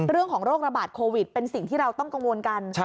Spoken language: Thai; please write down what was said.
โรคระบาดโควิดเป็นสิ่งที่เราต้องกังวลกัน